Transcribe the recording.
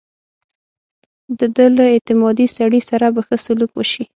د ده له اعتمادي سړي سره به ښه سلوک وشي.